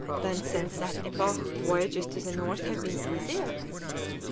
"Then, since that epoch, voyages to the north have been easier?"